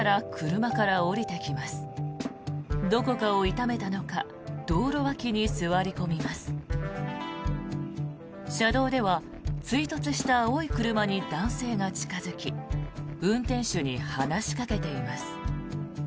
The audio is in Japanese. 車道では追突した青い車に男性が近付き運転手に話しかけています。